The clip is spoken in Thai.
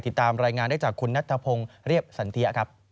ติดตามรายงานได้จากคุณนัทธพงศ์เรียบสันเทียครับ